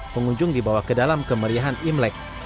pengunjung dibawa ke dalam kemeriahan imlek